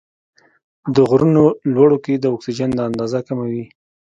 د غرونو لوړو کې د اکسیجن اندازه کمه وي.